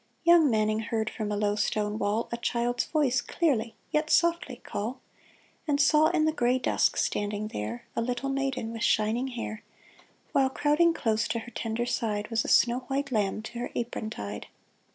Young Manning heard from a low stone wall A child's voice clearly yet softly call ; And saw in the gray dusk standing there A little maiden with shining hair, While crowding close to her tender side Was a snow white lamb to her apron tied.